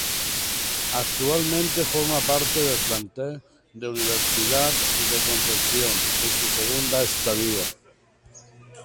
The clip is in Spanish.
Actualmente forma parte del plantel de Universidad de Concepción, en su segunda estadía.